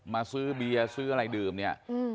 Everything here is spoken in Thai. ซื้อเบียร์ซื้ออะไรดื่มเนี่ย